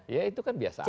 ya itu kan biasa aja